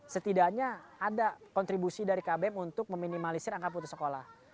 setidaknya ada kontribusi dari kbm untuk meminimalisir angka putus sekolah